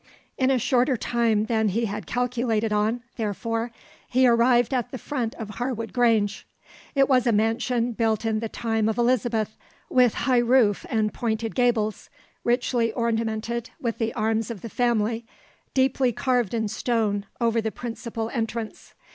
In a shorter time than he had calculated on, therefore, he arrived at the front of Harwood Grange. It was a mansion built in the time of Elizabeth, with high roof and pointed gables, richly ornamented with the arms of the family, deeply carved in stone, over the principal entrance.